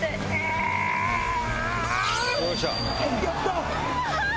やった！